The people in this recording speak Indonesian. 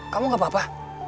kamu gak apa apa